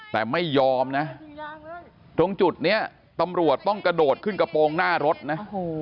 แต่ไม่ยอมนะตรงจุดนี้ตำรวจต้องกระโดดขึ้นกระโปรงหน้ารถนะ